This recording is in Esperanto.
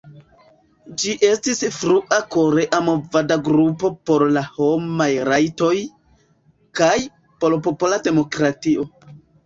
Ĝi estis frua korea movada grupo por la homaj rajtoj, kaj por popola demokratio.